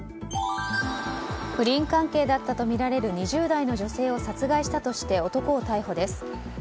不倫関係だったとみられる２０代の女性を殺害したとして男を逮捕です。